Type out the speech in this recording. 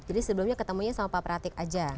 jadi sebelumnya ketemunya sama pak pratik aja